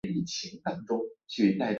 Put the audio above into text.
阿斯屈厄人口变化图示